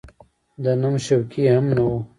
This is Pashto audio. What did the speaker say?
د نوم شوقي یې هم نه و.